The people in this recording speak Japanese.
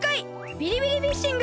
ビリビリフィッシング！